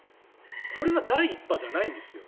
これが第１波じゃないんですよ。